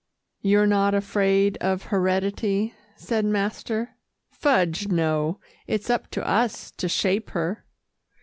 "You're not afraid of heredity?" said master. "Fudge, no it's up to us to shape her."